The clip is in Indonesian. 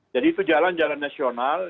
jadi itu jalan jalan nasional